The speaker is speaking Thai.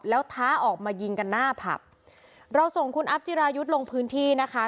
แล้วท้าออกมายิงกันหน้าผับเราส่งคุณอัพจิรายุทธ์ลงพื้นที่นะคะ